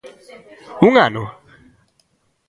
Un ano?